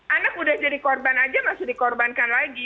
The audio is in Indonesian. anak udah jadi korban aja masih dikorbankan lagi